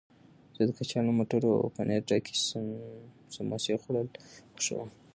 زه د کچالو، مټرو او پنیر ډکې سموسې خوړل خوښوم.